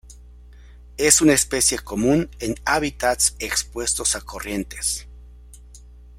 Es una especie común en hábitats expuestos a corrientes.